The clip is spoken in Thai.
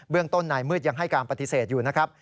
ต้นนายมืดยังให้การปฏิเสธอยู่นะครับ